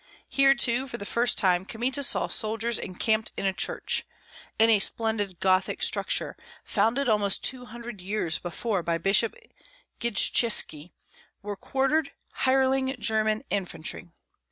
Here too, for the first time, Kmita saw soldiers encamped in a church, in a splendid Gothic structure, founded almost two hundred years before by Bishop Gijytski, were quartered hireling German infantry.